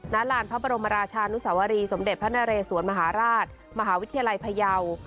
ลานพระบรมราชานุสวรีสมเด็จพระนเรสวนมหาราชมหาวิทยาลัยพยาว